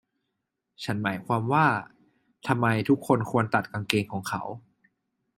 ฉันหมายความว่า ทำไมทุกคนควรตัดกางเกงของเขา ?